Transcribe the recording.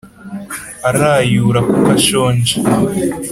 arayura kuko ashonje